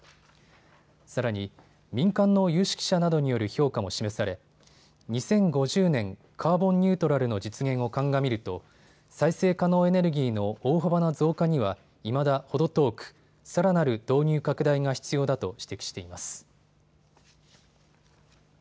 さらに民間の有識者などによる評価も示され２０５０年カーボンニュートラルの実現を鑑みると再生可能エネルギーの大幅な増加にはいまだ程遠くさらなる導入拡大が必要だと指摘しています。